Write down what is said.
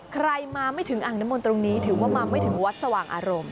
ใครมาไม่ถึงอ่างน้ำมนต์ตรงนี้ถือว่ามาไม่ถึงวัดสว่างอารมณ์